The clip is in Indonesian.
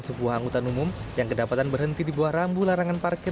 sebuah angkutan umum yang kedapatan berhenti di bawah rambu larangan parkir